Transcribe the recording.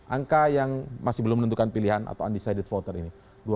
angka yang masih belum menentukan pilihan atau undecided voter ini